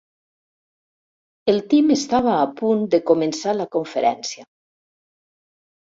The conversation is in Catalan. El Tim estava a punt de començar la conferència.